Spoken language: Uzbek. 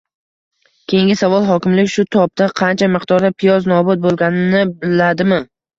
Keyingi savol: hokimlik shu topda qancha miqdorda piyoz nobud bo‘lganini biladimi?